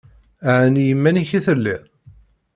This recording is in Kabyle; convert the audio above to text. Ɛni iman-ik i telliḍ?